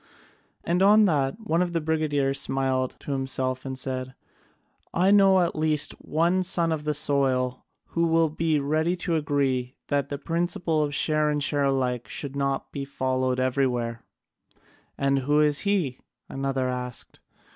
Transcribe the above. And on that one of the brigadiers smiled to himself and said: "I know at least one son of the soil who will be ready to agree that the principle of share and share alike should not be followed everywhere." "And who is he?" another asked.